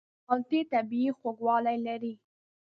مالټې طبیعي خوږوالی لري.